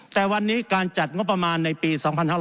แต่วันนี้การจัดงบประมาณในปี๒๕๖๐